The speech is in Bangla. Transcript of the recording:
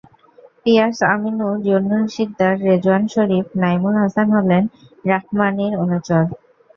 পিয়াস, আমিনুল, জুন্নুন শিকদার, রেজোয়ান শরীফ, নাঈমুল হাসান হলেন রাহমানীর অনুচর।